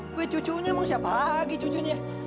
gue cucunya mau siapa lagi cucunya